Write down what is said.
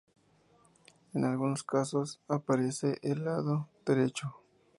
En algunos casos, aparece en el lado derecho.